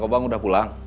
kan kau bang udah pulang